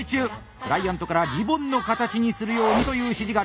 クライアントからリボンの形にするようにという指示がありました。